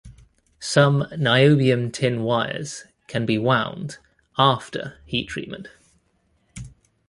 Some niobium-tin wires can be wound "after" heat treatment.